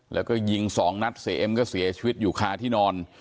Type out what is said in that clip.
แล้วก็ยิงสองนัดเสียเอ็มก็เสียชีวิตอยู่คาที่นอน